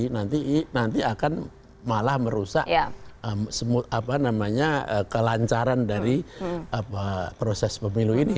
nanti akan malah merusak kelancaran dari proses pemilu ini